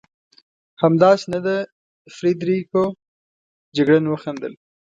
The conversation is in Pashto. همداسې نه ده فرېدرېکو؟ جګړن وخندل.